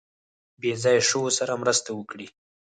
بې ځایه شویو سره مرسته وکړي.